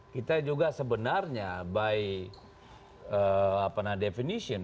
kita juga sebenarnya by definition